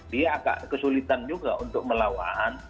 dia agak kesulitan juga untuk melawan